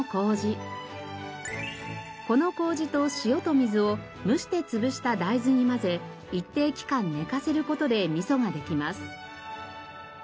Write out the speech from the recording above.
このこうじと塩と水を蒸して潰した大豆に混ぜ一定期間寝かせる事でみそができます。